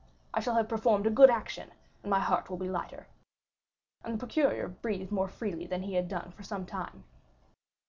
I shall have performed a good action, and my heart will be lighter." And the procureur breathed more freely than he had done for some time.